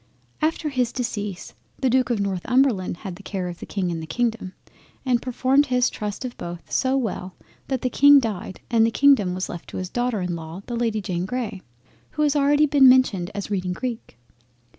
After his decease the Duke of Northumberland had the care of the King and the Kingdom, and performed his trust of both so well that the King died and the Kingdom was left to his daughter in law the Lady Jane Grey, who has been already mentioned as reading Greek.